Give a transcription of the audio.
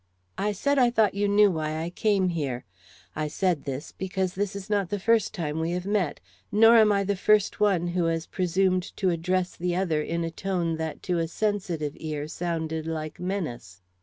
"I said I thought you knew why I came here. I said this, because this is not the first time we have met, nor am I the first one who has presumed to address the other in a tone that to a sensitive ear sounded like menace.